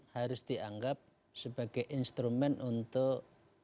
harus dianggap sebagai instrumen untuk